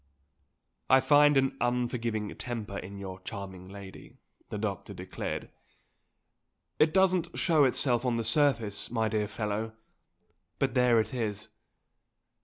"I find an unforgiving temper in your charming lady," the doctor declared. "It doesn't show itself on the surface, my dear fellow, but there it is.